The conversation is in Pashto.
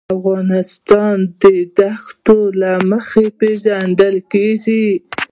افغانستان د دښتو له مخې پېژندل کېږي.